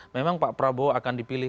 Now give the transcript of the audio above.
memang pak prabowo akan dipilih